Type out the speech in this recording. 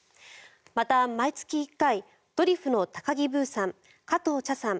また、毎月１回ドリフの高木ブーさん加藤茶さん